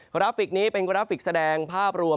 ราฟิกนี้เป็นกราฟิกแสดงภาพรวม